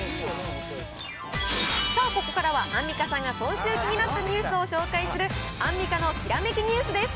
さあ、ここからはアンミカさんが今週気になったニュースを紹介する、アンミカのきらめきニュースです。